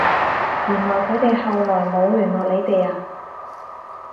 原來佢哋後來冇聯絡你哋呀？